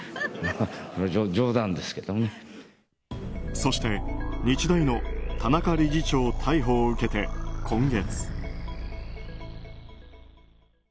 そして日大の田中理事長逮捕を受けて、今月。